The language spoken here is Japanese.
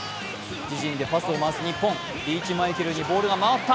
自陣でパスを回す日本、リーチマイケルにボールが回った。